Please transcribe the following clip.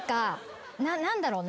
何だろうな。